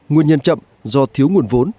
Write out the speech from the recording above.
nguyên nhân chậm do thiếu nguồn vốn